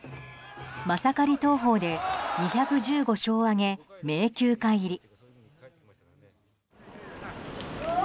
マサカリ投法で２１５勝を挙げ名球会入り。